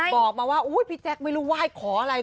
บอกมาว่าพี่แจ๊คไม่รู้ไหว้ขออะไร